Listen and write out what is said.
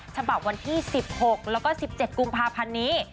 ฉบับวันที่๑๖แล้วก็๑๗กุมภาพันธ์นี้